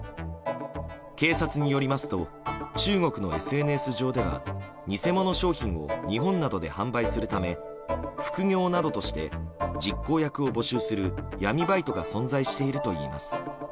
警察によりますと中国のＳＮＳ上では偽物商品を日本などで販売するため副業などとして実行役を募集する闇バイトが存在しているといいます。